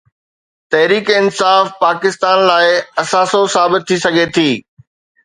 تحريڪ انصاف پاڪستان لاءِ اثاثو ثابت ٿي سگهي ٿي.